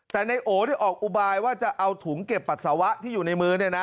แต่นายโอได้ออกอุบายว่าจะเอาถุงเก็บปัสสาวะที่อยู่ในมือ